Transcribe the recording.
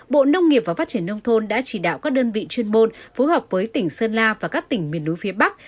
bộ nông nghiệp và phát triển nông thôn đã chỉ đạo các đơn vị chuyên môn phối hợp với tỉnh sơn la và các tỉnh miền núi phía bắc